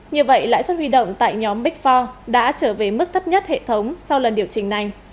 như vậy lãi suất huy động tại nhóm big four đã trở về mức thấp nhất hệ thống sau lần điều chỉnh này